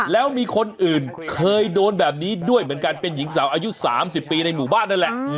แล้วมีคนอื่นเคยโดนแบบนี้ด้วยเหมือนกันเป็นหญิงสาวอายุ๓๐ปีในหมู่บ้านนั่นแหละ